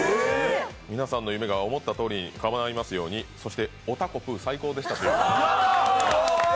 皆さんの夢が思ったとおりにかないますように、そしておたこぷー最高でしたと。